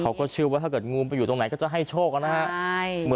เขาก็เชื่อว่าถ้าเกิดงูไปอยู่ตรงไหนก็จะให้โชคนะครับ